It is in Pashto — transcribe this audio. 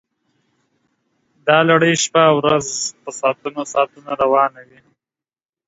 دا لړۍ شپه ورځ په ساعتونو ساعتونو روانه وي